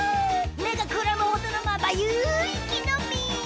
めがくらむほどのまばゆいきのみ！